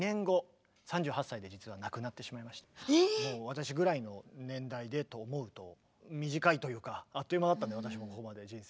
もう私ぐらいの年代でと思うと短いというかあっという間だったんで私もここまで人生。